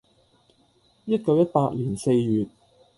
（一九一八年四月。）